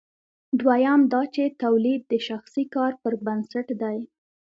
دویم دا چې تولید د شخصي کار پر بنسټ دی.